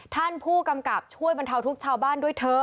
ท่านผู้กำกับช่วยบรรเทาทุกชาวบ้านด้วยเถอะ